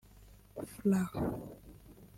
frw)